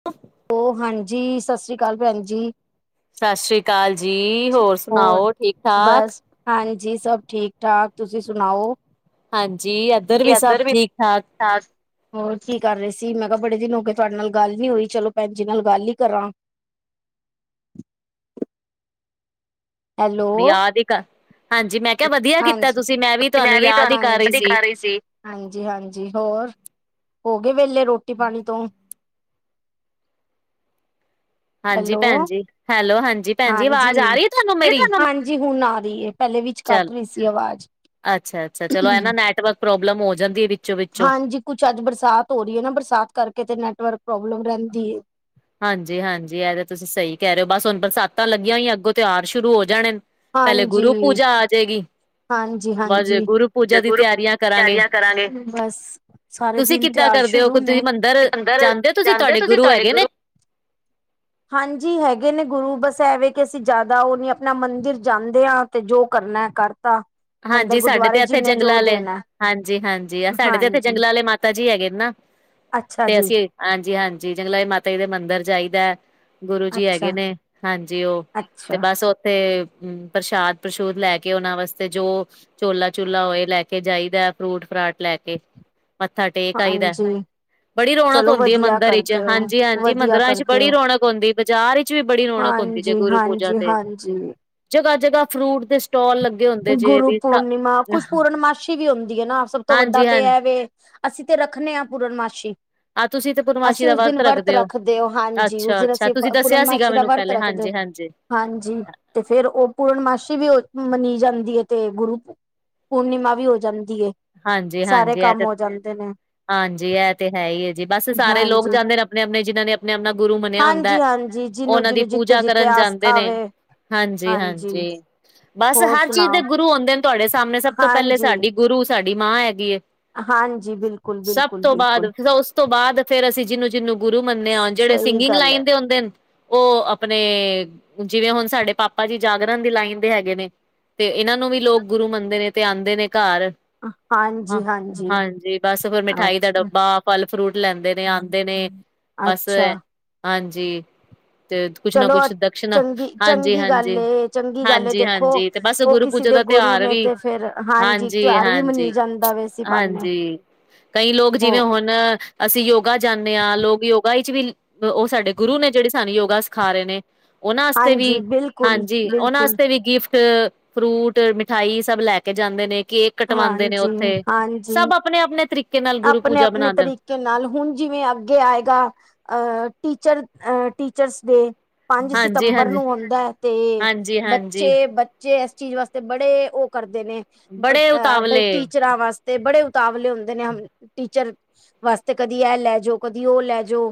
[unintelligible] ਓ ਹਾਂਜੀ, ਸ ਸ੍ਰੀ ਕਾਲ ਭੈਨ ਜੀ। ਸਾਸ਼੍ਰੀ ਕਾਲ ਜੀ, ਹੋਰ ਸੁਨਾਓ ਠੀਕ-ਠਾਕ? ਬਸ ਹਾਂਜੀ, ਸਬ ਠੀਕ-ਠਾਕ ਤੁਸੀਂ ਸੁਣਾਓ? ਹਾਂਜੀ, ਏਦਰ ਵੀ ਸਬ ਠੀਕ-ਠਾਕ। [unintelligible] ਹੋਰ ਕੀ ਕਰ ਰਏ ਸੀ? ਮੈਂ ਕਾ ਬੜੇ ਦਿਨ ਹੋ ਗੇ ਤੁਆਡੇ ਨਾਲ ਗਾੱਲ ਨੀ ਹੋਈ ਚਲੋ ਭੈਨ ਜੀ ਨਾਲ ਗਾੱਲ ਈ ਕਰਾਂ। ਹੈਲੋ ਯਾਦ ਈ ਕਾ, ਹਾਂਜੀ ਮੈਂ ਕੇਆ ਵਦੀਆ ਕੀਤਾ ਹਾਂਜੀ ਤੁਸੀ ਮੈਂ ਵੀ ਤੁਆਨੂੰ ਯਾਦ ਈ ਕਾਰ ਰਈ ਸੀ। ਹਾਂਜੀ-ਹਾਂਜੀ ਹੋਰ, ਹੋ ਗੇ ਵੇਲੇ ਰੋਟੀ ਪਾਣੀ ਤੋਂ? ਹਾਂਜੀ ਹੈਲੋ ਭੈਨ ਜੀ, ਹੈਲੋ ਹਾਂਜੀ ਭੈਨ ਜੀ ਹਾਂਜੀ ਅਵਾਜ਼ ਆ ਰੀ ਐ ਤੁਹਾਨੂੰ ਮੇਰੀ? ਹਾਂਜੀ, ਹੁਨ ਆ ਰੀ ਏ ਪੈਲੇ ਵੀ ਚਾਲ, ਅੱਛਾ-ਅੱਛਾ ਚਲੋ ਐ ਨਾ ਨੈਟਵਕ ਪ੍ਰੋਬਲਮ ਹੋ ਜਾਂਦੀ ਏ ਵਿੱ ਹਾਂਜੀ, ਕੁਛ ਆੱਜ ਬਰਸਾਤ ਹੋ ਰੀ ਏ ਨਾ ਬਰਸਾਤ ਕਰਕੇ ਤੇ ਨੈਟਵਰਕ ਪ੍ਰੋਬਲਮ ਰੈਂਦੀ ਏ। ਹਾਂਜੀ-ਹਾਂਜੀ, ਐ ਤਾਂ ਤੁਸੀਂ ਸਈ ਕੈ ਰੇ ਓ ਬਸ ਹੋਨ ਬਰਸਾਤਾਂ ਲੱਗੀਆਂ ਹੋਈਆ ਅੱਗੋਂ ਤੇਹਾਰ ਸ਼ੁਰੂ ਹੋ ਜਾਣੇ ਨ। ਪੈਲੇ ਗੁਰੂ ਪੂਜਾ ਆ ਜੇਗੀ ਹਾਂਜੀ-ਹਾਂਜੀ, ਫੇਰ ਗੁਰੂ [unintelligible] ਤੇਆਰੀਆਂ ਕਰਾਂਗੇ ਬਸ। ਸਾਰੇ ਤੁਸੀਂ ਦਿਨ ਕਿੱਦਾਂ ਤੇਓਹਾਰ ਕਰਦੇ ਹੋ, ਸ਼ੁਰੂ ਨੇ, ਤੁਸੀਂ ਮੰਦਿਰ ਮੰਦਰ ਹੋ ਜਾਂਦੇ ਓ ਤੁਹਾਡੇ ਤੁਸੀਂ ਤੁਆੜੇ ਹੈਗੇ ਨੇ ਗੁਰੂ ਹਾਂਜੀ, ਹੈਗੇ ਨੇ ਗੁਰੂ ਬਸ ਐਵੇ ਕਿ ਅਸੀਂ ਜ਼ਿਆਦਾ ਉਹ ਨੀ ਆਪਣਾ ਮੰਦਿਰ ਜਾਂਦੇ ਆ ਤੇ ਜੋ ਕਰਨਾ ਕਰਤਾ। ਮੰਦਿਰ ਹਾਂਜੀ ਸਾਡੇ ਗੁਰਦੁਆਰੇ ਤੇ ਜੀ ਇੱਥੇ ਨੇ ਜੰਗਲਾਂ ਜੋ ਵਾਲੇ ਦੇਣਾ ਹਾਂਜੀ ਹਾਂਜੀ ਆ ਸਾਡੇ ਤੇ ਇੱਥੇ ਹਾਂਜੀ। ਜੰਗਲਾਂ ਵਾਲੇ ਮਾਤਾ ਮਾਤਾ ਜੀ ਹੈਗੇ ਨੇ ਨਾ ਅੱਛਾ ਤੇ ਜੀ ਅਸੀਂ ਹਾਂਜੀ ਹਾਂਜੀ ਜੰਗਲਾ ਜੀ ਦੇ ਮਾਤਾ ਜੀ ਦਾ ਮੰਦਿਰ ਜਾਈ ਦਾ। ਗੁਰੂ ਜੀ ਹੈਗੇ ਅੱਛਾ, ਨੇ ਹਾਂਜੀ ਉਹ ਤੇ ਅੱਛਾ ਬਸ ਤੇ ਪ੍ਰਸ਼ਾਦ ਪ੍ਰਸ਼ੂਦ ਲੈ ਕੇ ਉਹਨਾਂ ਵਾਸਤੇ। ਤੇ ਜੋ ਚੋਲਾ ਚੁਲਾ ਹੋਏ ਲੈ ਕੇ ਜਾਈਦਾ ਫਰੂਟ ਫਰਾਟ ਲੈ ਕੇ। ਮੱਥਾ ਟੇਕ ਆਈਦਾ। ਹਾਂਜੀ ਬੜੀ ਰੌਣਕ ਚਲੋ ਹੁੰਦੀ ਵਧੀਆ ਮੰਦਿਰਾਂ ਵਿੱਚ ਕਰਦੇ ਹੋ। ਹਾਂਜੀ ਹਾਂਜੀ ਵਧੀਆ ਮੰਦਿਰਾਂ ਚ ਕਰਦੇ ਬੜੀ ਹੋ ਰੌਣਕ ਹੁੰਦੀ ਬਾਜ਼ਾਰ। ਚ ਵੀ ਬੜੀ ਰੌਣਕ ਹੁੰਦੀ ਜੇ ਹਾਂਜੀ, ਗੁਰੂ ਪੂਜਾ ਹਾਂਜੀ, ਤੇ ਹਾਂਜੀ। ਜਗ੍ਹਾ ਜਗ੍ਹਾ ਫਰੂਟ ਦੇ ਸਟਾਲ ਲੱਗੇ ਹੁੰਦੇ। ਜੇ ਗੁਰੂ ਵੀ ਪੂਰਨਿਮਾ ਕੁਝ ਪੂਰਨਮਾਸ਼ੀ ਵੀ ਹੁੰਦੀ ਹੈ ਨਾ ਸਭ ਤੋਂ ਵੱਡਾ ਤੇ ਹਾਂਜੀ-ਹਾਂਜੀ ਇਹ ਵੈ ਅਸੀਂ ਤੇ ਰੱਖਣੇ ਹਾਂ ਪੂਰਨਮਾਸੀ। ਆਹ ਤੁਸੀਂ ਤੇ ਪੂਰਨਮਾਸ਼ੀ ਦਾ ਵਰਤ ਰੱਖਦੇ ਹੋ ਹਾਂਜੀ ਉਸ ਅੱਛਾ ਦਿਨ ਅੱਛਾ ਅਸੀਂ ਤੁਸੀਂ ਦੱਸਿਆ ਸੀਗਾ ਪੂਰਨਮਾਸ਼ੀ ਦਾ ਮੈਨੂੰ ਵਰਤ ਪਹਿਲੇ ਰੱਖਦੇ ਹਾਂਜੀ। ਹਾਂਜੀ, ਹਾਂਜੀ ਤੇ ਫੇਰ ਉਹ ਪੂਰਨਮਾਸੀ ਵੀ ਮੰਨੀ ਜਾਂਦੀ ਐ ਤੇ ਗੁਰੂ ਪੂਰਨਿਮਾ ਵੀ ਹੋ ਜਾਂਦੀ। ਸਾਰੇ ਹਾਂਜੀ-ਹਾਂਜੀ ਇਹ ਕੰਮ ਤੇ ਹੋ ਜਾਂਦੇ ਨੇ। ਹਾਂਜੀ ਇਹ ਤੇ ਹੈ ਹੀ ਹੈ ਜੀ ਬਸ ਸਾਰੇ ਲੋਕ ਹਾਂਜੀ ਜਾਂਦੇ ਨੇ ਆਪਣੇ ਆਪਣੇ ਜਿਹਨਾਂ ਨੇ ਆਪਣੇ ਆਪਣਾ ਗੁਰੂ ਮੰਨਿਆ ਹੁੰਦਾ। ਹਾਂਜੀ ਹਾਂਜੀ ਜਿਹਨੂੰ ਉਹਨਾਂ ਦੀ ਜਿਹਨੂੰ ਜਿੱਥੇ ਪੂਜਾ ਜਿੱਥੇ ਕਰਨ ਜਾਂਦੇ ਆਸਥਾ ਨੇ ਵੇ ਹਾਂਜੀ ਹਾਂਜੀ। ਬਸ ਹੋਰ ਹਰ ਚੀਜ਼ ਸੁਣਾਓ ਦੇ ਗੁਰੂ ਹੁੰਦੇ ਨੇ ਤੁਹਾਡੇ ਸਾਹਮਣੇ ਸਭ ਤੋਂ ਪਹਿਲੇ ਹਾਂਜੀ ਸਾਡੀ ਗੁਰੂ ਸਾਡੀ ਮਾਂ ਹੈਗੀ। ਹਾਂਜੀ ਬਿਲਕੁਲ, ਸਭ ਬਿਲਕੁਲ ਤੋਂ ਬਾਅਦ ਬਿਲਕੁਲ ਫ ਉਸ ਤੋਂ ਬਾਅਦ ਫਿਰ ਅਸੀਂ ਜਿਨੂੰ ਜਿਨੂੰ ਗੁਰੂ ਮੰਨਦੇ ਆ ਜਿਹੜੇ ਸਹੀ ਸਿੰਗਿੰਗ ਗੱਲ ਲਾਈਨ ਹੈ ਦੇ ਹੁੰਦੇ ਨੇ। ਉਹ ਆਪਣੇ ਜਿਵੇਂ ਹੁਣ ਸਾਡੇ ਪਾਪਾ ਜੀ ਜਾਗਰਣ ਦੀ ਲਾਈਨ ਦੇ ਹੈਗੇ ਨੇ। ਤੇ ਇਹਨਾਂ ਨੂੰ ਵੀ ਲੋਕ ਗੁਰੂ ਮੰਨਦੇ ਨੇ ਤੇ ਆਂਦੇ ਨੇ ਘਰ ਹਾਂਜੀ ਬਸ ਫਿਰ ਮਿਠਾਈ ਦਾ ਅੱਛਾ, ਡੱਬਾ ਫਲ ਫਰੂਟ ਲੈਂਦੇ ਨੇ ਆਂਦੇ ਨੇ ਬਸ ਏ। ਅੱਛਾ ਹਾਂਜੀ, ਤੇ ਕੁਛ ਨਾ ਚਲੋ ਕੁਛ ਦਕਸ਼ਣਾ ਚੰਗੀ ਹਾਂਜੀ ਚੰਗੀ ਗੱਲ ਹਾਂਜੀ ਏ, ਚੰਗੀ ਗੱਲ ਏ ਹਾਂਜੀ ਦੇਖੋ ਹਾਂਜੀ। ਤੇ ਬਸ ਉਹ ਗੁਰੂ ਕਿਸੇ ਪੂਜਾ ਦੇ ਦਾ ਗੁਰੂ ਤਿਉਹਾਰ ਨੇ ਵੀ ਤੇ ਫੇਰ ਹਾਂਜੀ ਤਿਉਹਾਰ ਵੀ ਮਨੀ ਹਾਂਜੀ ਜਾਂਦਾ ਵੇ ਇਸੀ ਬਹਾਨੇ। ਹਾਂਜੀ। ਕਈ ਲੋਕ ਹੋ ਜਿਵੇਂ ਹੁਣ ਅਸੀਂ ਯੋਗਾ ਜਾਣੇ ਆ ਹਾਂ ਲੋਕ ਯੋਗਾ ਵਿੱਚ ਵੀ ਉਹ ਸਾਡੇ ਗੁਰੂ ਨੇ ਜਿਹੜੇ ਸਾਨੂੰ ਯੋਗਾ ਸਿਖਾ ਰਹੇ ਨੇ। ਉਹਨਾਂ ਵਾਸਤੇ ਹਾਂਜੀ ਵੀ ਬਿਲਕੁਲ, ਹਾਂਜੀ ਉਹਨਾਂ ਬਿਲਕੁਲ ਵਾਸਤੇ ਵੀ ਗਿਫਟ। ਫਰੂਟ ਮਿਠਾਈ ਸਭ ਲੈ ਕੇ ਜਾਂਦੇ ਨੇ ਕੇਕ ਕਟਵਾਉਂਦੇ ਨੇ ਹਾਂਜੀ, ਉੱਥੇ ਹਾਂਜੀ। ਸਭ ਆਪਣੇ ਆਪਣੇ ਤਰੀਕੇ ਨਾਲ ਗੁਰੂ ਪੂਜਾ ਮਨਾਦੇ ਨੇ। ਨਾਲੇ ਹੁਣ ਜਿਵੇਂ ਅੱਗੇ ਆਏਗਾ ਅ ਟੀਚਰ ਟੀਚਰਸ ਡੇ। ਪੰਜ ਹਾਂਜੀ ਸਤੰਬਰ ਹਾਂਜੀ ਨੂੰ ਹੁੰਦਾ ਹੈ ਤੇ ਹਾਂਜੀ ਹਾਂਜੀ ਬੱਚੇ ਬ ਚੇ ਇਸ ਚੀਜ਼ ਵਾਸਤੇ ਬੜੇ ਉਹ ਕਰਦੇ ਨੇ ਬੜੇ ਬਈ ਉਤਾਵਲੇ ਟੀਚਰਾਂ ਵਾਸਤੇ ਤੇ ਬੜੇ ਉਤਾਵਲੇ ਹੁੰਦੇ ਨੇ ਟੀਚਰ ਵਾਸਤੇ ਕਦੀ ਇਹ ਲੈ ਜੌ ਕਦੀ ਉਹ ਲੈ ਜੋ।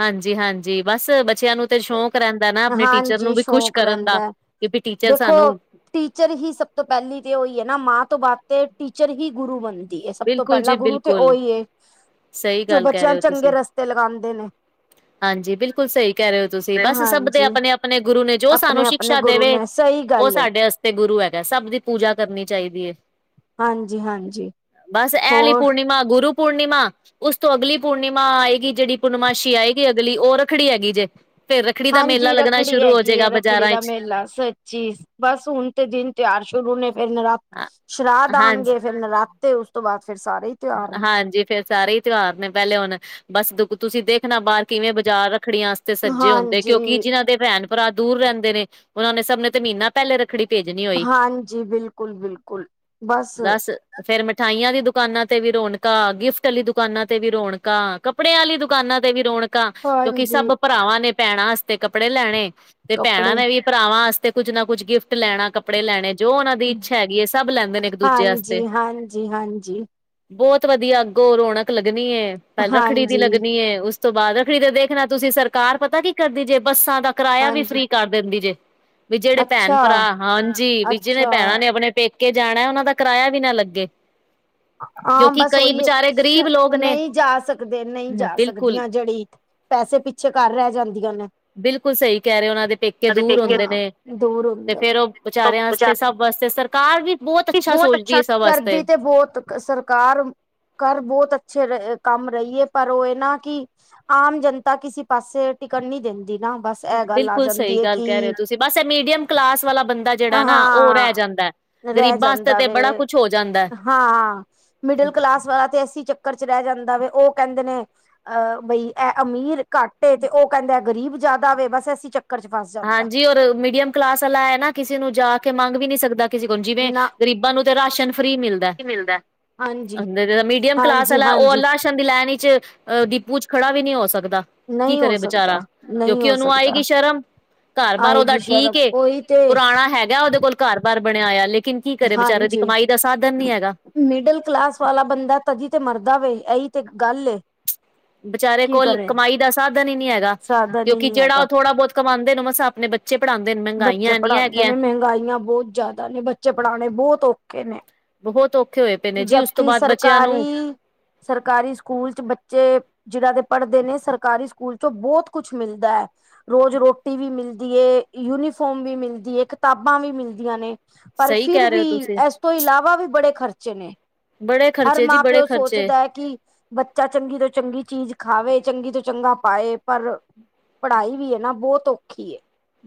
ਹਾਂਜੀ ਹਾਂਜੀ ਬਸ ਬੱਚਿਆਂ ਨੂੰ ਸ਼ੌਕ ਰਹਿੰਦਾ ਨਾ ਆਪਣੇ ਟੀਚਰ ਨੂੰ ਹਾਂਜੀ ਵੀ ਖੁਸ਼ ਸ਼ੌਕ ਕਰਨ ਦਾ ਰਹਿੰਦਾ ਕਿ ਵੀ ਟੀਚਰ ਦੇਖੋ ਸਾਨੂੰ ਟੀਚਰ ਹੀ ਸਭ ਤੋਂ ਪਹਿਲੀ ਤੇ ਹੋਈ ਐ ਨਾ ਮਾਂ ਤੋਂ ਬਾਅਦ ਤੇ ਟੀਚਰ ਹੀ ਗੁਰੂ ਬਣਦੀ ਏ ਸਭ ਤੋਂ ਬਿਲਕੁਲ ਜੀ ਪਹਿਲਾਂ ਗੁਰੂ ਤੇ ਬਿਲਕੁਲ ਓਹੀ ਐ। ਸਹੀ ਜੋ ਗੱਲ ਕਹਿ ਬੱਚਿਆਂ ਰਹੇ ਨੂੰ ਹੋ ਤੁਸੀਂ ਚੰਗੇ ਰਸਤੇ ਲਗਾਂਦੇ ਨੇ। ਹਾਂਜੀ, ਬਿਲਕੁਲ ਸਹੀ ਕਹਿ ਰਹੇ ਹੋ ਤੁਸੀਂ ਬਸ ਸਭ ਦੇ ਹਾਂਜੀ ਆਪਣੇ ਆਪਣੇ ਗੁਰੂ ਨੇ ਜੋ ਸਾਨੂੰ ਆਪਣੇ ਆਪਣੇ ਸ਼ਿਕਸ਼ਾ ਗੁਰੂ ਦੇਵੇ। ਨੇ ਸਹੀ ਗੱਲ ਏ। ਤੇ ਗੁਰੂ ਹੈਗਾ ਸਭ ਦੀ ਪੂਜਾ ਕਰਨੀ ਚਾਹੀਦੀ ਹੈ। ਹਾਂਜੀ ਹਾਂਜੀ। ਬਸ ਐ ਅਲੀ ਹੋਰ ਪੂਰਨਿਮਾ ਗੁਰੂ ਪੂਰਨਿਮਾ। ਉਸ ਤੋਂ ਅਗਲੀ ਪੂਰਨਿਮਾ ਆਏਗੀ ਜਿਹੜੀ ਪੂਰਨਮਾਸ਼ੀ ਆਏਗੀ ਅਗਲੀ ਉਹ ਰੱਖੜੀ ਹੈਗੀ ਜੇ। ਫੇਰ ਰੱਖੜੀ ਦਾ ਮੇਲਾ ਹਾਂਜੀ ਲੱਗਣਾ ਰੱਖੜੀ ਸ਼ੁਰੂ ਹੋ ਹੈਗੀ ਹੈ ਜਾਏਗਾ ਰੱਖੜੀ ਬਾਜ਼ਾਰਾਂ ਦਾ ਵਿੱਚ ਮੇਲਾ ਸੱਚੀ। ਬਸ ਹੁਣ ਤੇ ਦਿਨ ਤਿਓਹਾਰ ਸ਼ੁਰੂ ਨੇ ਫੇਰ ਨਰਾ ਸ਼ਰਾਧ ਹਾਂਜੀ ਆਣਗੇ। ਫਿਰ ਨਰਾਤੇ ਉਸ ਤੋਂ ਬਾਅਦ ਫਿਰ ਸਾਰੇ ਹੀ ਤਿਉਹਾਰ ਨੇ। ਹਾਂਜੀ ਫੇਰ ਸਾਰੇ ਤਿਉਹਾਰ ਨੇ ਪਹਿਲੇ ਹੁਣ ਬਸ ਦੁ ਤੁਸੀਂ ਦੇਖਣਾ ਬਾਹਰ ਕਿਵੇਂ ਬਾਜ਼ਾਰ ਰੱਖੜੀਆਂ ਤੇ ਸੱਜੇ ਹੁੰਦੇ ਹਾਂਜੀ ਕਿਉਂਕਿ ਜਿਹਨਾਂ ਦੇ ਭੈਣ ਭਰਾ ਦੂਰ ਰਹਿੰਦੇ ਨੇ ਉਹਨਾਂ ਨੇ ਸਭ ਨੇ ਤੇ ਮਹੀਨਾ ਪਹਿਲੇ ਰੱਖੜੀ। ਭੇਜਣੀ ਹੋਈ ਹਾਂਜੀ ਬਿਲਕੁਲ ਬਿਲਕੁਲ ਬਸ ਫੇਰ ਮਿਠਾਈਆਂ ਦੀ ਦੁਕਾਨਾਂ। ਤੇ ਵੀ ਰੌਣਕ ਗਿਫਟ ਆਲੀ ਦੁਕਾਨਾਂ ਤੇ ਵੀ ਰੌਣਕ ਕੱਪੜਿਆਂ ਆਲੀ ਦੁਕਾਨਾਂ ਤੇ ਵੀ ਰੌਣਕ ਕਿਉਂਕਿ ਹਾਂਜੀ ਸਭ ਭਰਾਵਾਂ ਨੇ ਭੈਣਾਂ ਵਾਸਤੇ ਕੱਪੜੇ ਲੈਣੇ ਤੇ ਭੈਣਾਂ ਕੱਪੜੇ ਨੇ ਵੀ ਭਰਾਵਾਂ ਤੇ ਤੇ ਕੁੱਝ ਨਾ ਕੁੱਝ ਗਿਫਟ ਲੈਣਾ ਕੱਪੜੇ ਲੈਣੇ ਜੋ ਉਹਨਾਂ ਦੀ ਇੱਛਾ ਹੈਗੀ ਹੈ ਸਭ ਲੈਂਦੇ ਨੇ ਇੱਕ ਦੂਜੇ ਵਾਸਤੇ। ਹਾਂਜੀ ਹਾਂਜੀ ਹਾਂਜੀ, ਬਹੁਤ ਵਧੀਆ ਅੱਗੋਂ ਰੌਣਕ ਲੱਗਣੀ ਐ ਪਹਿਲੇ ਰੱਖੜੀ ਦੀ ਹਾਂਜੀ ਲੱਗਣੀ ਐ ਉਸ। ਤੋਂ ਬਾਅਦ ਰੱਖੜੀ ਤੇ ਦੇਖਣਾ ਤੁਸੀਂ ਸਰਕਾਰ ਪਤਾ ਕੀ ਕਰਦੀ ਜੇ ਬੱਸਾਂ ਦਾ ਕਿਰਾਇਆ ਵੀ ਹਾਂਜੀ ਫਰੀ ਕਰ ਦਿੰਦੀ ਜੇ ਵੀ ਜਿਹੜੇ ਭੈਣ ਅੱਛਾ ਭਰਾ ਹਾਂਜੀ ਵੀ ਜਿੰਨੇ ਨੇ ਅੱਛਾ ਭੈਣਾਂ ਨੇ ਆਪਣੇ ਪੇਕੇ ਜਾਣਾ ਉਹਨਾਂ ਦਾ ਕਿਰਾਇਆ ਵੀ ਨਾ ਲੱਗੇ। ਹਾਂ, ਕਿਉਂਕਿ ਬਸ ਕਈ ਉਹੀ ਐ ਵਿਚਾਰੇ ਗ਼ਰੀਬ ਲੋਕ ਨੇ ਨਹੀਂ ਜਾ ਸਕਦੇ ਨਹੀਂ ਜਾ ਬਿਲਕੁਲ ਸਕਦੀਆਂ ਜਿਹੜੀ। ਪੈਸੇ ਪਿੱਛੇ ਕਰ ਰਹਿ ਜਾਂਦੀਆਂ ਨੇ। ਬਿਲਕੁਲ ਸਹੀ ਕਹਿ ਰਹੇ ਉਹਨਾਂ ਦੇ ਪੇਕੇ ਦੂਰ ਹੁੰਦੇ ਹਾਂ ਨੇ ਦੂਰ ਤੇ ਹੁੰਦੇ ਨੇ ਫੇਰ ਉਹ ਵਿਚਾਰਿਆਂ ਵਾਸਤੇ ਸਭ ਵਾਸਤੇ ਸਰਕਾਰ ਵੀ ਬਹੁਤ ਸੋਚਦੀ ਅੱਛਾ ਹੈ ਸਭ ਵਾਸਤੇ ਕਰਦੀ ਤੇ ਬਹੁਤ ਸਰਕਾਰ ਘਰ ਬਹੁਤ ਅੱਛੇ ਰ ਕੰਮ ਰਹੀਏ ਪਰ ਉਹ ਇਹ ਨਾ ਕਿ ਆਮ ਜਨਤਾ ਕਿਸੇ ਪਾਸੇ ਟਿਕਟ ਨੀ ਦਿੰਦੀ ਨਾ ਬਸ ਇਹ ਗੱਲ ਆ ਬਿਲਕੁਲ ਸਈ ਜਾਂਦੀ ਹੈ ਗੱਲ਼ ਕਹਿ ਕਿ ਓ ਤੁਸੀਂ ਬਸ ਏ ਮੀਡੀਅਮ ਕਲਾਸ ਵਾਲਾ ਬੰਦਾ ਜਿਹੜਾ ਨਾ, ਓ ਰਹਿ ਹਾਂ ਜਾਂਦਾ। ਰਹਿ ਗ਼ਰੀਬਾਂ ਵਾਸਤੇ ਜਾਂਦਾ ਤੇ ਬੜਾ ਵੇ ਕੁਛ ਹੋ ਜਾਂਦਾ। ਹਾਂ, ਮਿਡਲ ਕਲਾਸ ਵਾਲਾ ਤੇ ਐਸੀ ਚੱਕਰ ਚ ਰਹਿ ਜਾਂਦਾ ਵੇ ਓ ਕਹਿੰਦੇ ਨੇ ਅ ਬਈ ਏ ਅਮੀਰ ਕੱਟ ਏ ਤੇ ਓ ਕਹਿੰਦਾ ਗਰੀਬ ਜ਼ਿਆਦਾ ਵੇ ਬਾਸ ਐਸੀ ਚ ਫਸ ਜਾਂਦਾ ਹਾਂਜੀ ਔਰ ਮੀਡੀਅਮ ਕਲਾਸ ਆਲਾ ਏ ਨਾ ਕਿਸੀ ਨੂੰ ਜਾ ਕੇ ਮੰਗ ਵੀ ਨੀ ਸਕਦਾ ਕਿਸੇ ਕੋਲ, ਜਿਵੇਂ ਨਾ ਗਰੀਬਾਂ ਨੂੰ ਤੇ ਰਾਸ਼ਨ ਫ੍ਰੀ ਮਿਲ ਕੀ ਮਿਲਦਾ ਹਾਂਜੀ ਅ ਮੀਡੀਅਮ ਕਲਾਸ ਹਾਂਜੀ ਆਲਾ ਓ ਹਾਂਜੀ ਰਾਸ਼ਨ ਦੀ ਲੈਣ ਵਿੱਚ ਅ ਡੀਪੂ ਚ ਖੜਾ ਵੀ ਨੀ ਹੋ ਸਕਦਾ ਕੀ ਨਹੀਂ ਹੋ ਕਰੇ ਬਚਾਰਾ, ਸਕਦਾ ਨਹੀਂ ਕਿਉਂਕਿ ਹੋ ਓਨੂੰ ਆਏਗੀ ਸਕਦਾ ਸ਼ਰਮ ਘਰ ਬਾਰ ਉਹਦਾ ਆਏਗੀ ਸ਼ਰਮ ਠੀਕ ਏ ਉਹੀ ਤੇ ਪੁਰਾਣਾ ਹੈਗਾ ਉਹਦੇ ਕੋਲ ਘਰ ਬਰ ਬਣਿਆ ਹੋਇਆ ਲੇਕਿਨ ਕੀ ਕਰੇ ਵਿਚਾਰੇ ਦੀ ਹਾਂਜੀ ਕਮਾਈ ਦਾ ਸਾਧਨ ਨੀ ਹੈਗਾ। ਮਿਡਲ ਕਲਾਸ ਵਾਲਾ ਬੰਦਾ ਤਦੀ ਤੇ ਮਰਦਾ ਵੇ ਇਹੀ ਤੇ ਗੱਲ ਏ। ਵਿਚਾਰੇ ਕੀ ਕੋਲ ਕਰੇ ਕਮਾਈ ਦਾ ਸਾਧਨ ਹੀ ਨੀ ਹੈਗਾ ਸਾਧਨ ਹੀ ਕਿਉਂਕਿ ਨੀ ਜਿਹੜਾ ਹੈਗਾ ਉਹ ਥੋੜਾ ਬਹੁਤ ਕਮਾਂਦੇ ਨੇ ਓ ਮਸਾ ਆਪਣੇ ਬੱਚ ਪੜਾਂਦੇ ਨੇ। ਬੱਚੇ ਮਹਿੰਗਾਈਆਂ ਇੰਨੀਆਂ ਪੜ੍ਹਾਂਦੇ ਹੈਗੀਆਂ ਨੇ ਮਹਿੰਗਾਈਆਂ ਬਹੁਤ ਜ਼ਿਆਦਾ ਨੇ ਬੱਚੇ ਪੜ੍ਹਾਣੇ ਬਹੁਤ ਔਖੇ ਨੇ। ਬਹੁਤ ਔਖੇ ਹੋਏ ਪਏ ਨੇ ਜੀ ਜਦ ਉਸ ਤੋਂ ਕੀ ਬਾਅਦ ਬੱਚਿਆਂ ਨੂੰ ਸਰਕਾਰੀ ਸਰਕਾਰੀ ਸਕੂਲ ਚ ਬੱਚੇ। ਜਿਹਨਾਂ ਦੇ ਪੜ੍ਹਦੇ ਨੇ ਸਰਕਾਰੀ ਸਕੂਲ ਚੋਂ ਬਹੁਤ ਕੁਛ ਮਿਲਦਾ। ਰੋਜ਼ ਰੋਟੀ ਵੀ ਮਿਲਦੀ ਐ ਯੂਨੀਫੋਮ ਵੀ ਮਿਲਦੀ ਹੈ ਕਿਤਾਬਾਂ ਵੀ ਮਿਲਦੀਆਂ ਨੇ। ਪਰ ਸਹੀ ਫਿਰ ਕਹਿ ਰਹੇ ਹੋ ਵੀ, ਤੁਸੀਂ ਐਸ ਤੋ ਇਲਾਵਾ ਵੀ ਬੜੇ ਖ਼ਰਚੇ ਨੇ। ਬੜੇ ਹਰ ਖਰਚੇ ਜੀ ਮਾਂ ਬੜੇ ਪਿਓ ਖਰਚੇ ਸੋਚਦਾ ਏ ਕਿ ਬੱਚਾ ਚੰਗੀ ਤੋਂ ਚੰਗੀ ਚੀਜ ਖਾਵੇ ਚੰਗੀ ਤੋ ਚੰਗਾ ਪਾਏ ਪਰ ਪੜਾਈ ਵੀ ਏ ਨਾ ਬੋਤ ਔਖੀ ਏ।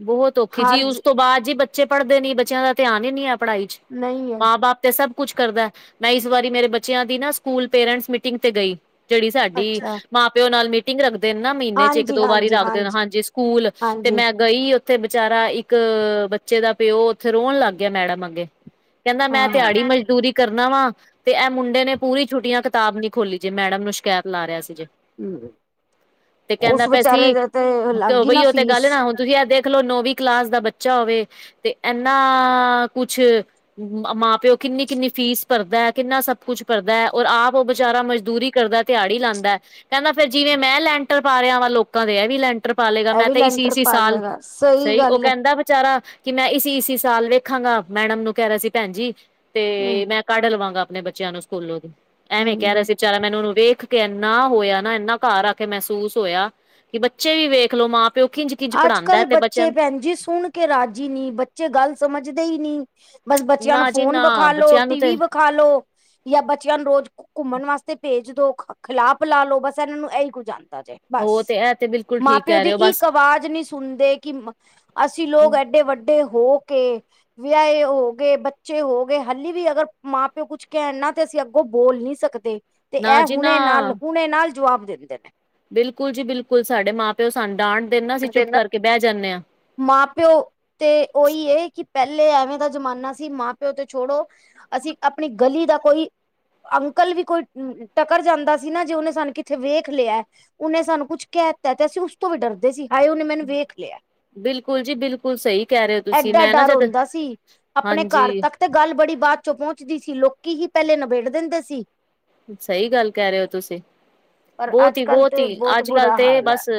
ਬੋਹਤ ਔਖੀ ਜੀ ਉਸ ਤੋ ਬਾਅਦ ਜੀ ਬੱਚੇ ਪੜਦੇ ਨੀ ਬੱਚਿਆਂ ਦਾ ਧਿਆਨ ਈ ਨੀ ਹੈ ਪੜਾਈ ਚ, ਨਹੀਂ ਹੈ ਮਾਂ ਬਾਪ ਤੇ ਸਬ ਕੁਛ ਕਰਦੈ, ਮੈਂ ਇਸ ਵਾਰੀ ਮੇਰੇ ਬੱਚਿਆਂ ਦੀ ਨਾ ਸਕੂਲ ਪੇਰੈਂਟਸ ਮੀਟਿੰਗ ਤੇ ਗਈ ਜਿਹੜੀ ਸਾਡੀ ਅੱਛਾ ਮਾਂ ਪਿਓ ਨਾਲ ਮੀ ਮੀਟਿੰਗ ਰੱਖਦੇ ਨੇ ਨਾ ਮਹੀਨੇ ਚ ਇਕ, ਹਾਂਜੀ ਦੋ ਵਾਰੀ ਹਾਂਜੀ ਰੱਖ ਦੇਣ, ਹਾਂਜੀ ਸਕੂਲ ਤੇ ਹਾਂਜੀ ਮੈਂ ਗਈ ਓਥੇ ਬਚਾਰਾ ਇਕ, ਬੱਚੇ ਦਾ ਪਿਓ ਓਥੇ ਰੋਨ ਲੱਗ ਗਿਆ ਮੈੜਮ ਅੱਗੇ ਕਹਿੰਦਾ ਮੈਂ ਹਾਂ ਦੇਹਾੜੀ ਮਜਦੂਰੀ ਕਰਨਾ ਵਾ ਤੇ ਏ ਮੁੰਡੇ ਨੇ ਪੂਰੀ ਛੁੱਟੀਆਂ ਕਿਤਾਬ ਨੀ ਖੋਲੀ ਜੇ ਮੈੜਮ ਨੂੰ ਸ਼ਕੈਤ ਲਾ ਰਿਹਾ ਸੀ ਜੇ ਹਮ ਤੇ ਕਹਿੰਦਾ ਉਸ ਪਿਆ ਵਿਚਾਰੇ ਸੀ, ਦੇ ਤੇ ਲੱਗ ਗਈ ਬਈ ਨਾ ਓ ਤੇ ਫੀਸ ਗੱਲ ਨਾ ਹੁੰ ਤੂਸੀ ਐ ਦੇਖਲੋ ਨੌਵੀਂ ਕਲਾਸ ਦਾ ਬੱਚਾ ਹੋਵੇ ਤੇ ਇਨਾ, ਕੁਛ ਮਾਂ ਪਿਓ ਕਿੰਨੀ ਕਿੰਨੀ ਫ਼ੀਸ ਭਰਦਾ ਕਿੰਨਾ ਸਬ ਕੁਛ ਕਰਦਾ ਔਰ ਆਪ ਓ ਬਚਾਰਾ ਮਜ਼ਦੂਰੀ ਕਰਦਾ ਦਿਆੜੀ ਲਾਂਦਾ, ਕਹਿੰਦਾ ਫੇਰ ਜਿਵੇਂ ਮੈਂ ਲੈਂਟਰ ਪਾ ਰਿਹਾ ਵਾਂ ਲੋਕਾਂ ਦੇ ਏ ਵੀ ਲੈਂਟਰ ਲੈਟਰ ਪਾ ਲੇਗਾ ਇਹ ਮੈਂ ਵੀ ਤੇ ਇਸੀ ਲੈਂਟਰ ਇਸੀ ਪਾ ਸਾਲ ਲਏਗਾ ਸਹੀ ਸਈ ਓ ਗੱਲ ਕਹਿੰਦਾ ਬਚਾਰਾ ਕਿ ਮੈਂ ਇਸੀ ਇਸੀ ਸਾਲ ਵੇਖਾਂਗਾ ਮੈੜਮ ਨੂੰ ਕੈ ਰਿਹਾ ਸੀ ਭੈਣ ਜੀ ਹਮ ਤੇ ਮੈਂ ਕੱਢ ਲਵਾਂਗਾ ਅਪਣੇ ਬੱਚੇ ਬੱਚਿਆਂ ਨੂੰ ਸੂਕੂਲੋਂ ਦੀ, ਐਵੇਂ ਕਹਿ ਰਹੇ ਹਮ ਸੀ ਵਚਾਰਾ ਮੈਨੂੰ ਓਨੂੰ ਵੇਖ ਕੇ ਏਨਾ ਹੋਇਆ ਨਾ, ਏਨਾ ਘਾਰ ਆ ਕੇ ਮਹਿਸੂਸ ਹੋਇਆ ਕਿ ਬੱਚੇ ਵੀ ਵੇਖਲੋ ਮਾਂ ਪਿਓ ਕਿਂਜ ਅੱਜਕੱਲ ਬੱਚੇ ਭੈਣ ਜੀ ਸੁਣ ਕੇ ਰਾਜੀ ਨੀ ਬੱਚੇ ਗੱਲ ਸਮਝਦੇ ਈ ਨੀ ਬਸ ਬੱਚਿਆਂ ਨੂੰ ਨਾ ਜੀ ਫੋਨ ਨਾ ਵਖਾਲੋ, ਬੱਚਿਆਂ ਨੂੰ ਤੇ ਟੀਵੀ ਵਖਾਲੋ ਯਾ ਬੱਚਿਆਂ ਨੂੰ ਰੋਜ ਘੁੰਮਨ ਵਾਸਤੇ ਭੇਜ ਦੋ, ਖਲਾ ਪਲਾ ਲੋੋ ਬਾਸ ਏਨਾਂ ਨੂੰ ਏਈ ਕੁੱਝ ਆਂਦਾ ਜੇ। ਓ ਤੇ, ਏ ਤੇ ਬਿਲਕੁਲ ਠੀਕ ਕਹਿ ਰਹੇ ਓ ਬੱਸ ਅੱਜ ਨੀ ਸੁਨਦੇ ਕਿ, ਅਸੀਂ ਲੋਗ ਏਡੇ ਵੱਡੇ ਹੋ ਕੇ ਵਿਆਏ ਹੋ ਕੇ ਬੱਚੇ ਹੋ ਗੇ,। ਹੱਲੀ ਵੀ ਅਗਰ ਮਾਂ ਪਿਓ ਕੁਛ ਕੈਨ ਨਾ ਤੇ ਅਸੀ ਅੱਗੋਂ ਬੋਲ ਨੀ ਸਕਦੇ। ਦੇ ਤੇ ਨਾ ਏ ਜੀ ਨਾ ਹੁਣੇ ਨਾਲ ਹੁਣੇ ਨਾਲ ਜਵਾਬ ਦੇਂਦੇ ਨੇ ਬਿਲਕੁਲ ਜੀ ਬਿਲਕੁਲ ਸਾਡੇ ਮਾਂ ਪਿਓ ਸਾਨੂੰ ਡਾਂਟ ਦੇ। ਨੇ ਨਾ ਅਸੀਂ ਚੁੱਪ ਕਾਰਕੇ ਬਹਿ ਜਾਂਨੇ ਆ। ਮਾਂ ਪਿਓ ਤੇ ਓਈ ਏ ਕਿ ਪੈਲੇ ਐਵੇਂ ਦਾ ਜਮਾਨਾ ਸੀ ਮਾਂ ਪਿਓ ਤੇ ਛੋੜੋ ਅਸੀਂ ਆਪਣੀ ਗਲੀ ਦਾ ਕੋਈ ਅੰਕਲ ਵੀ ਕੋਈ ਟਕਰ ਜਾਂਦਾ ਸੀ ਨਾ ਜੇ ਓਨੇ ਸਾਨੂੰ ਕਿੱਥੇ ਵੇਖ ਲਿਆ ਉਹਨੇ ਸਾਨੂੰ ਕੁਛ ਕਹਿ ਤਾਂ ਅਸੀਂ ਉਸ ਤੋਂ ਵੀ ਡਰਦੇ ਸੀ ਹਾਏ ਉਹਨੇ ਮੈਨੂੰ ਵੇਖ ਲਿਆ। ਬਿਲਕੁਲ ਜੀ ਬਿਲਕੁਲ ਸਹੀ ਕਹਿ ਰਹੇ ਹੋ। ਤੁਸੀਂ ਐਡਾ ਮੈਂ ਨਾ ਡਰ ਜਦ ਹੁੰਦਾ ਸੀ। ਆਪਣੇ ਹਾਂਜੀ। ਘਰ ਤੱਕ ਤੇ ਗੱਲ ਬੜੀ ਬਾਅਦ ਚੋਂ ਪਹੁੰਚਦੀ ਸੀ ਲੋਕੀ ਹੀ ਪਹਿਲੇ ਨਬੇੜ ਦਿੰਦੇ ਸੀ। ਸਹੀ ਗੱਲ ਕਹਿ ਰਹੇ ਹੋ ਤੁਸੀਂ। ਪਰ ਬਹੁਤ ਅੱਜ ਹੀ ਕੱਲ ਬਹੁਤ ਤੇ ਹੀ ਅੱਜ, ਕੱਲ ਬੁਰਾ ਤੇ ਹਾਲ ਹੈ ਬਸ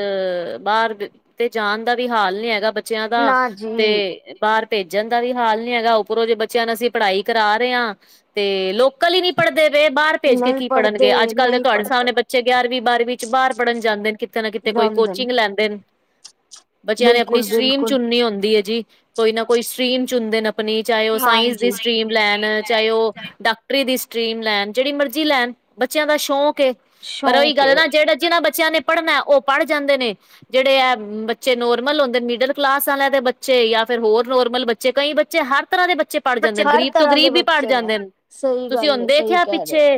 ਬਾਹਰ ਤੇ ਜਾਣ ਦਾ ਵੀ ਹਾਲ ਨੀ ਹੈਗਾ ਬੱਚਿਆਂ ਦਾ ਨਾ ਤੇ ਜੀ। ਬਾਹਰ ਭੇਜਣ ਦਾ ਵੀ ਹਾਲ ਨੀ ਹੈਗਾ। ਉੱਪਰੋਂ ਜੇ ਬੱਚਿਆਂ ਨੂੰ ਅਸੀਂ ਪੜ੍ਹਾਈ ਕਰਾ ਰਹੇ ਹਾਂ ਤੇ ਲੋਕਲ ਹੀ ਨੀ ਪੜ੍ਹਦੇ ਵੇ ਬਾਹਰ। ਭੇਜ ਕੇ ਨਹੀਂ ਕੀ ਪੜ੍ਹਨਗੇ ਅੱਜ, ਪੜ੍ਹਦੇ ਕੱਲ੍ਹ ਦੇ ਨਹੀਂ ਤੁਹਾਡੇ ਪੜ੍ਹਦੇ ਸਾਹਣੇ ਬੱਚੇ ਗਿਆਰਵੀ ਬਾਰਵੀਂ ਚ ਬਾਹਰ ਪੜ੍ਹਨ ਜਾਂਦੇ ਨੇ ਕਿਤੇ ਨਾ ਕਿਤੇ। ਤੇ ਕੋਈ ਜਾਂਦੇ ਨੇ ਕੋਚਿੰਗ ਲੈਂਦੇ ਨੇ [unintelligible] ਬੱਚਿਆਂ ਨੇ ਅਪਣੀ ਬਿਲਕੁਲ ਸਟ੍ਰਰੀਮ ਬਿਲਕੁਲ ਚੁਨਨੀ ਹੁੰਦੀ ਏ ਜੀ, ਕੋਈ ਨਾ ਕੋਈ ਸਟ੍ਰੀਮ ਚੁਨਦੇ ਨੇ ਆਪਣੀ ਚਾਹੇ ਓ ਸਾਇੰਸ ਦੀ ਹਾਂਜੀ। ਸਟ੍ਰਰੀਮ ਲੈਨ, ਚਾਏ ਓ ਡਾੱਕਟਰੀ ਦੀ ਸਟ੍ਰਰੀਮ ਲੈਨ ਜਿਹੜੀ ਮਰਜ਼ੀ ਲੈਣ ਬੱਚਿਆਂ ਦਾ ਸ਼ੌਂਕ ਏ, ਪਰ ਓਈ ਗਾਲ ਏ ਨਾ ਜਿਹੜੇ ਜਿਨ੍ਹਾਂ ਬੱਚਿਆਂ ਨੇ ਪੜਨਾ ਓ ਪੜ ਜਾਂਦੇ ਨੇ ਜਿਹੜੇ ਐ ਬੱਚੇ ਨੋਰਮਲ ਹੁੰਦੇ ਨੇ ਮਿਡਲ ਕਲਾਸ ਆਲੇ ਆਂ ਦੇ ਬੱਚੇ ਜਾ ਫੇਰ ਹੋਰ ਨੋਰਮਲ ਬੱਚੇ ਬੱਚੇ ਕਈ ਬੱਚੇ ਹਰ ਤਰਾਂ ਦੇ ਬੱਚੇ ਪੜ ਜਾਂਦੇ ਨੇ ਹਰ ਗਰੀਬ ਤੋਂ ਤਰ੍ਹਾਂ ਦੇ ਗ਼ਰੀਬ ਵੀ ਪੜ ਬੱਚੇ ਜਾਂਦੇ ਨੇ, ਸਹੀ ਤੁਸੀਂ ਗੱਲ ਹੁਣ ਏ ਸਹੀ ਦੇਖਿਆ ਕਹਿ ਰਹੇ ਹੋ ਪਿੱਛੇ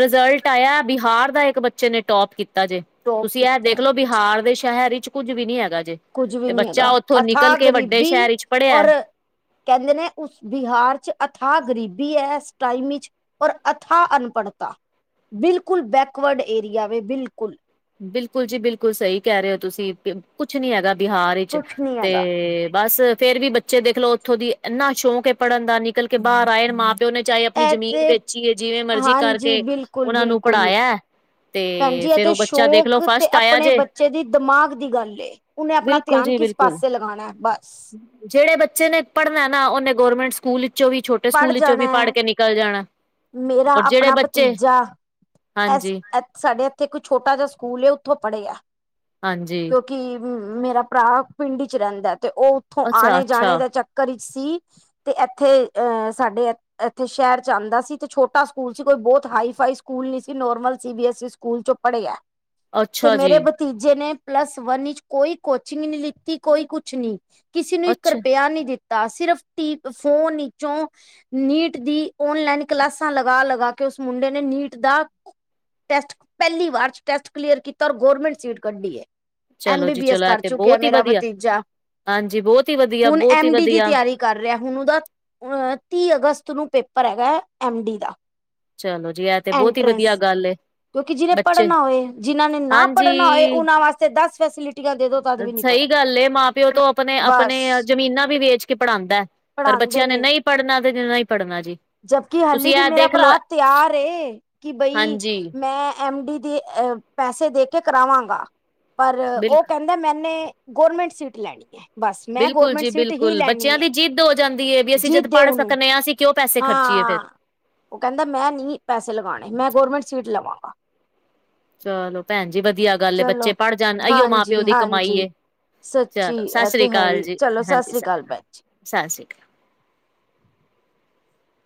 ਰਿਜ਼ਲਟ ਆਇਆ ਬਿਹਾਰ ਦਾ ਇੱਕ ਬੱਚੇ ਨੇ ਟੋਪ ਕੀਤਾ ਜੇ, ਟੋਪ ਤੁਸੀਂ ਏ ਕੀਤਾ ਦੇਖ ਲੋ। ਬਿਹਾਰ ਦੇ ਸੇਗਰ ਵਿੱਚ ਕੁੱਜ ਵੀ ਨੀ ਹੈਗਾ ਜੇ। ਕੁੱਝ ਵੀ ਤੇ ਨੀ ਬੱਚਾ ਹੈਗਾ ਓਥੋਂ ਨਿਕਲ ਅਥਾਹ ਕੇ। ਵੱਡੇ ਗਰੀਬੀ ਸ਼ਹਿਰ ਵਿੱਚ ਪੜ੍ਹਿਆ। ਔਰ ਕਹਿੰਦੇ ਨੇ ਉਸ ਬਿਹਾਰ ਚ ਅਥਾਹ ਗ਼ਰੀਬੀ ਹੈ ਇਸ ਟਾਈਮ ਵਿੱਚ ਔਰ ਅਥਾ ਅਨਪੜ੍ਹਤਾ ਬਿਲਕੁਲ ਬੈਕਵਰਡ ਏਰੀਆ ਵੈ ਬਿਲਕੁਲ ਬਿਲਕੁਲ ਜੀ ਬਿਲਕੁਲ ਸਹੀ ਕਹਿ ਰਹੇ ਹੋ ਤੁਸੀਂ ਕੁਛ ਨੀ ਹੈਗਾ। ਬਿਹਾਰ ਵਿੱਚ ਕੁਛ ਨੀ ਹੈਗਾ ਤੇ ਬਸ ਫੇਰ ਵੀ ਬ ਬੱਚੇ ਦੇਖਲੋ ਉੱਥੋਂ ਦੀ ਇੰਨਾ ਸ਼ੌਕ ਏ ਪੜ੍ਹਨ ਦਾ ਨਿਕਲ ਕੇ ਬਾਹਰ ਆ ਜਾਣ ਮਾਂ ਤੇ ਉਹਨੇ ਚਾਹੇ ਆਪਣੀ ਇਹ ਜ਼ਮੀਨ ਤੇ ਵੇਚੀ ਏ ਜਿਵੇਂ ਮਰਜੀ ਹਾਂਜੀ ਕਰਕੇ ਬਿਲਕੁਲ ਉਹਨਾਂ ਨੂੰ ਬਿਲਕੁਲ ਪੜ੍ਹਾਇਆ ਭੈਣ ਤੇ ਜੀ ਇਹ ਫੇਰ ਉਹ ਬੱਚ ਸ਼ੌਕ ਤੇ ਆਪਣੇ ਬੱਚੇ ਦੀ ਦਿਮਾਗ ਦੀ ਗੱਲ ਏ। ਉਹਨੇ ਆਪਣਾ ਬਿਲਕੁਲ ਧਿਆਨ ਜੀ ਕਿਸ ਬਿਲਕੁਲ ਪਾਸੇ ਲਗਾਉਣਾ ਹੈ, ਬਸ। ਜਿਹੜੇ ਬੱਚੇ ਨੇ ਪੜ੍ਹਨਾ ਐ ਨਾ, ਉਹਨੇ ਗੋਰਮੈਂਟ ਸਕੂਲ ਇਚੋਂ ਵੀ ਛੋਟ [unintelligible] ਪੜ੍ਹ ਸਕੂਲ ਇਚੋਂ ਵੀ ਜਾਣਾ ਪੜ੍ਹ ਕੇ ਨਿਕਲ ਜਾਣਾ ਔਰ ਜਿਹੜੇ ਬੱਚੇ ਐਸ ਹਾਂਜੀ ਐ ਸਾਡੇ ਇੱਥੇ ਇੱਕ ਛੋਟਾ ਜਿਹਾ ਸਕੂਲ ਐ ਉੱਥੋਂ ਪੜ੍ਹੇ ਆ। ਹਾਂਜੀ। ਕਿ, ਮੇਰਾ ਭਰਾ ਪਿੰਡ ਚ ਰਹਿੰਦਾ, ਤੇ ਉਹ ਉੱਥੋਂ ਅੱਛਾ ਆਣੇ-ਜਾਣੇ ਅੱਛਾ ਦਾ ਚੱਕ ਘਰੀ ਚ ਸੀ, ਤੇ ਇੱਥੇ ਅ ਸਾਡੇ ਇੱਥੇ ਸ਼ੈਰ ਚ ਆਂਦਾ ਸੀ। ਤੇ ਛੋਟਾ ਸਕੂਲ ਸੀ, ਕੋਈ ਬੋਤ ਹਾਈ-ਫਾਈ ਸਕੂਲ ਨੀ ਸੀ, ਨੋਰਮਲ ਸੀ ਬੀ ਐਸ ਸੀ ਸਕੂਲ ਚੋਂ ਪੜ੍ਹਿਆ ਤੇ ਅੱਛਾ ਮੇਰੇ ਜੀ ਬ ਤੀਜੇ ਨੇ ਪਲੱਸ ਵਨ ਇੱਚ ਕੋਈ ਕੋਚਿੰਗ ਨੀ ਲਿੱਤੀ, ਕੋਈ ਕੁਛ ਨੀ ਕਿਸੀ ਨੂੰ ਇੱਕ ਅੱਛਾ ਰੁਪਇਆ ਨੀ ਦਿੱਤਾ ਸਿਰਫ [unintelligible] ਫੋਨ ਈ- ਚੋਂ ਨੀਟ ਦੀ ਓਨਲਾਈਨ ਕਲਾਸਾਂ ਲਗਾ- ਲਗਾ ਕੇ ਉਸ ਮੁੰਡੇ ਨੇ ਨੀਟ ਦਾ ਟੈਸਟ ਪਹਿਲੀ ਵਾਰ ਚ, ਟੈਸਟ ਕਲੀਅਰ ਕੀਤਾ, ਔਰ ਗੋਰਮੈਂਟ ਸੀਟ ਕੱਢੀ ਐ। ਐਮ ਚਲੋ ਬੀ ਜੀ ਬੀ ਐਸ ਚਲੋ ਇਹ ਕਰ ਤੇ ਚੁੱਕਿਆ, ਬਹੁਤ ਹੀ ਮੇਰਾ ਵਧੀਆ ਭਤੀਜਾ। ਹਾਂਜੀ ਬੋਤ ਈ ਵਧੀਆ, ਹੁਣ ਬੋਤ ਈ ਐਮ ਡੀ ਦੀ ਵਧੀਆ। ਤਿਆਰੀ ਕਰ ਰਿਹਾ ਹੁਣ ਉਹਦਾ, ਅ ਤੀਹ ਅਗਸਤ ਨੂੰ ਪੇਪਰ ਹੈਗਾ ਐ ਐਮ ਡੀ ਦਾ ਚਲੋ ਜੀ, ਐ ਤੇ ਬੋਤ ਈ ਐਂਟਰੈਂਸ ਵਧੀਆ ਗੱਲ ਏ। ਕਿਉਂਕਿ ਜਿਨੇ ਬੱਚੇ ਪੜ੍ਹਨਾ ਹੋਏ, ਜਿਨਾਂ ਨੇ ਨਾ ਪੜ੍ਹਨਾ ਹੋਏ, ਹਾਂਜੀ ਉਹਨਾਂ ਵਾਸਤੇ ਦਸ ਫੈਸਿਲਿਟੀਆਂ ਦੇ ਦੋ। ਤਦ ਵੀ ਨਹੀਂ ਸਹੀ ਪੜ੍ਹਨਾ ਗੱਲ ਏ, ਮਾਂ ਪਿਓ ਤੋਂ ਅਪਨੇ, ਅਪਨੇ ਬਸ ਜ਼ਮੀਨਾਂ ਵੀ ਵੇਚ ਕੇ ਪੜ੍ਹਾਦੈਂ। ਪਰ, ਬੱਚਿਆਂ ਨੇ ਨਈ ਪੜ੍ਹਨਾ ਤੇ ਜੇ ਨਈ ਪੜ੍ਹਨਾ ਜੀ। ਜਬਕਿ, ਹਾਲੀ ਤੁਸੀਂ ਵੀ ਇਹ ਮੇਰਾ ਦੇਖਲੋ ਭਰਾ ਤਿਆਰ ਏ, ਕਿ ਬਈ ਹਾਂਜੀ ਮੈਂ ਐਮ ਡੀ, ਦੇ ਅ--ਪੈਸੇ ਦੇ ਕੇ ਕਰਾਵਾਂਗਾ ਪਰ, ਬਿਲਕੁਲ ਉਹ ਕਹਿ। ਕਹਿੰਦਾ, ਮੈਨੇ--ਗੋਰਮੈਂਟ ਸੀਟ ਲੈਣੀ ਐ ਬਸ, ਮੈਂ ਬਿਲਕੁਲ ਗੋਰਮੈਂਟ ਜੀ ਸੀਟ ਹੀ ਬਿਲਕੁਲ ਲੈਣੀ ਬੱਚਿਆਂ ਦੀ ਏ--ਜੀਤ ਦਿਓਨੂੰ। [unintelligible] ਕਿਉ, ਪੈਸ। ਹਾਂ ਉਹ ਕਹਿੰਦਾ, ਮੈਂ ਨੀ ਪੈਸੇ ਲਗਾਣੇ, ਮੈਂ ਗੌਰਮੈਂਟ ਸੀਟ ਲਵਾਂਗਾ। ਚਲੋ, ਭੈਣ ਜੀ ਵਧੀਆ ਗੱਲ, ਚਲੋ ਬੱਚੇ ਪੜ੍ਹ ਜਾਣ ਆਈਓ ਹਾਂਜੀ ਮਾਂ-ਪਿਓ ਦੀ ਕਮਾਈ ਹਾਂਜੀ ਏ। ਸੱਚੀ ਚਲੋ, ਇਹ ਸਸਰੀ ਤੇ ਹੈ ਕਾਲ ਹੀ ਜੀ, ਚਲੋ ਸਤਿ ਹਾਂਜੀ ਸ੍ਰੀ ਸ ਅਕਾਲ ਭੈਣ ਜੀ ਸਸਰੀ ਕਾਲ।